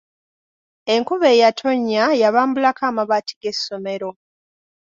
Enkuba eyatonnya yabambulako amabaati g'essomero.